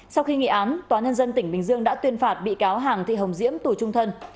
sau khi nghị án tòa nhân dân tỉnh bình dương đã tuyên phạt bị cáo hàng thị hồng diễm tù trung thân